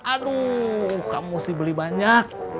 aduh kamu mesti beli banyak